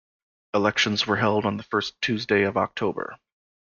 Elections were held on the first Tuesday of October.